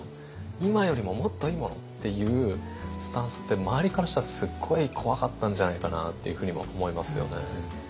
今よりももっといいものっていうスタンスって周りからしたらすっごい怖かったんじゃないかなっていうふうにも思いますよね。